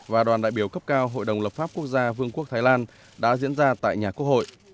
và đoàn đại biểu cấp cao hội đồng lập pháp quốc gia vương quốc thái lan đã diễn ra tại nhà quốc hội